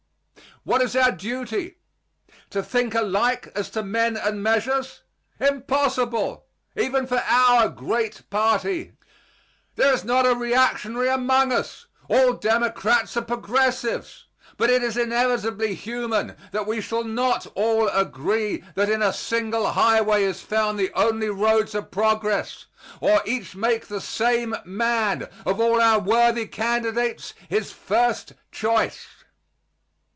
What is our duty? To think alike as to men and measures? Impossible! Even for our great party! There is not a reactionary among us. All Democrats are Progressives. But it is inevitably human that we shall not all agree that in a single highway is found the only road to progress, or each make the same man of all our worthy candidates his first choice.